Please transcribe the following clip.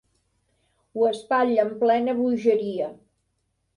Ho espatlla en plena bogeria.